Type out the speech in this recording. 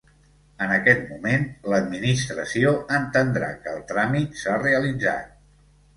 En aquest moment l'Administració entendrà que el tràmit s'ha realitzat.